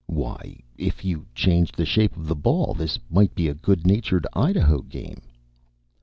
Why, if you changed the shape of the ball, this might be a good natured Idaho game.